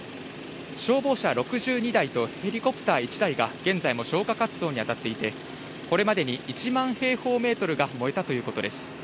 消防車６２台とヘリコプター１台が現在も消火活動にあたっていて、これまでに１万平方メートルが燃えたということです。